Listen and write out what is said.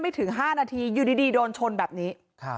ถึง๕นาทีอยู่ดีโดนชนแบบนี้